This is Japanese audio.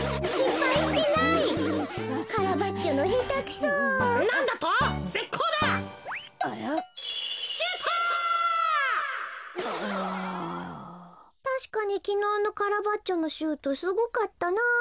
「たしかにきのうのカラバッチョのシュートすごかったなぁ」。